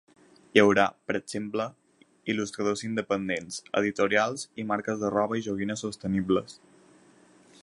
Hi haurà, per exemple, il·lustradors independents, editorials i marques de roba i joguines sostenibles.